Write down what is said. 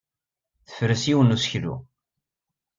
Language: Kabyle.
Tefres yiwen n useklu.